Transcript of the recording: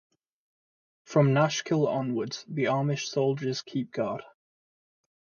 From Nashkel onwards, the Amnish soldiers keep guard.